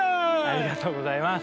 ありがとうございます。